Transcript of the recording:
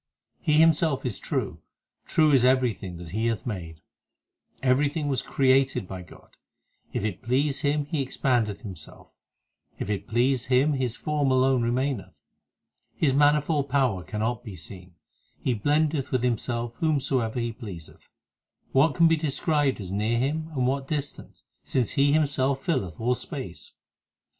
5 He Himself is true ; true is everything that He hath made : Everything was created by God. If it please Him He expandeth Himself, If it please Him His form alone remaineth. His manifold power cannot be seen ; He blendeth with Himself whomsoever He pleaseth. What can be described as near Him and what distant, Since He Himself filleth all space